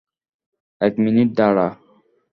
এক মিনিট দাঁড়া।